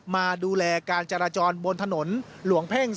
มาดูแลการจราจรบนถนนหลวงเพ่ง